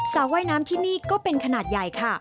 ว่ายน้ำที่นี่ก็เป็นขนาดใหญ่ค่ะ